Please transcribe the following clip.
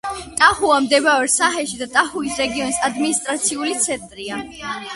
ტაჰუა მდებარეობს საჰელში და ტაჰუის რეგიონის ადმინისტრაციული ცენტრია.